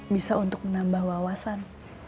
bisa untuk menambah wawasan